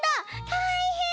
たいへん！